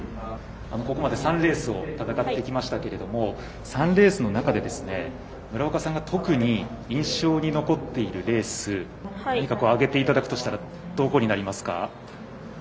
ここまで３レースを戦ってきましたけれども３レースの中でですね村岡さんが特に印象に残っているレース何か挙げていただくとしたらどこになりますか？